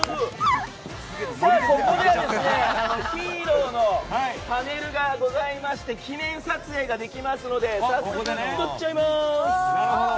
ここではヒーローのパネルがございまして記念撮影ができますので早速撮っちゃいます！